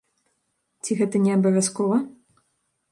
Ці гэта не абавязкова?